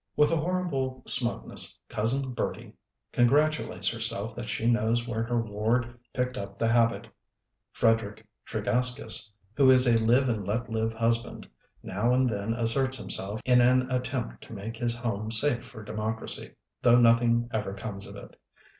With a horrible smugness, Cousin Bertie congratulates herself that she knows where her ward picked up the habit. Frederick Tregaskis, who is a Live and Let Live husband, now and then asserts himself in an attempt to make his home safe for democracy, though nothing ever comes of it.